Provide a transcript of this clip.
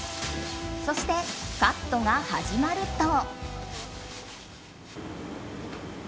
そして、カットが始まると。